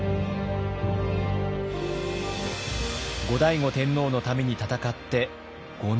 後醍醐天皇のために戦って５年余り。